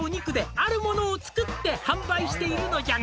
「あるものを作って販売しているのじゃが」